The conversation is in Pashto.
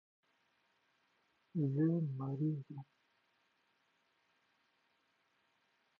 دا ژبه د پوهانو او عارفانو ژبه ده.